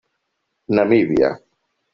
Namíbia.